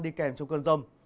đi kèm trong cơn râm